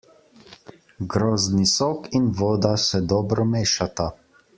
Grozdni sok in voda se dobro mešata.